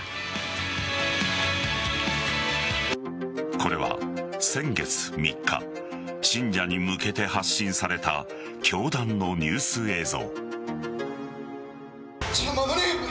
これは先月３日信者に向けて発信された教団のニュース映像。